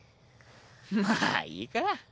まあいいか。